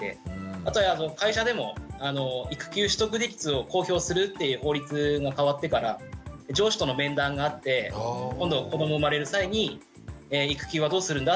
あとは会社でも育休取得率を公表するっていう法律も変わってから上司との面談があって今度子ども生まれる際に「育休はどうするんだ？」